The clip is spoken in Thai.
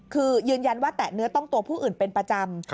คือยืนยันว่าแตะเนื้อต้องตัวผู้อื่นเป็นประจำ